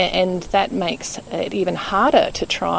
dan itu membuatnya lebih sulit untuk mencoba